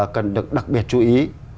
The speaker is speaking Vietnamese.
cần được đặc biệt chú ý